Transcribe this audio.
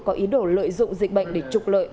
có ý đồ lợi dụng dịch bệnh để trục lợi